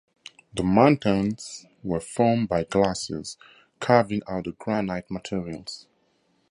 The mountains were formed by glaciers carving out the granite material.